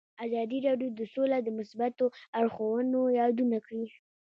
ازادي راډیو د سوله د مثبتو اړخونو یادونه کړې.